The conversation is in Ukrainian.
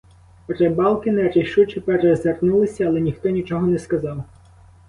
Рибалки нерішуче перезирнулися, але ніхто нічого не сказав.